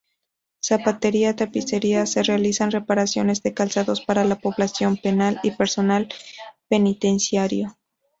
Zapatería-Tapicería: Se realizan reparaciones de calzados para la población Penal y Personal Penitenciario.